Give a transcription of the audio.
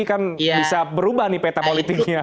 ini kan bisa berubah nih peta politiknya